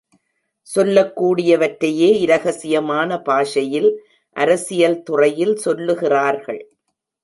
சொல்லக் கூடியவற்றையே, இரகசியமான பாஷையில் அரசியல் துறையில் சொல்லுகிறார்கள்.